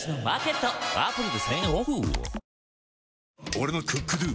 俺の「ＣｏｏｋＤｏ」！